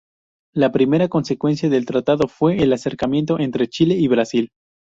La primera consecuencia del tratado fue el acercamiento entre Chile y Brasil.